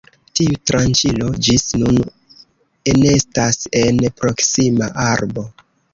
Tiu tranĉilo ĝis nun enestas en proksima arbo.